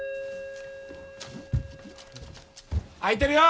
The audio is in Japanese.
開いてるよ！